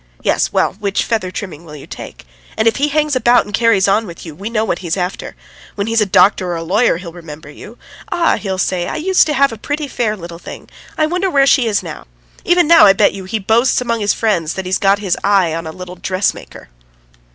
Yes! Well, which feather trimming will you take? And if he hangs about and carries on with you, we know what he is after. ... When he's a doctor or a lawyer he'll remember you: 'Ah,' he'll say, 'I used to have a pretty fair little thing! I wonder where she is now?' Even now I bet you he boasts among his friends that he's got his eye on a little dressmaker."